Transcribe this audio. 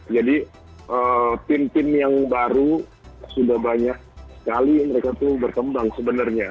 jadi tim tim yang baru sudah banyak sekali mereka itu berkembang sebenarnya